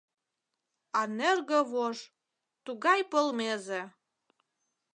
А нӧргӧ вож, тугай полмезе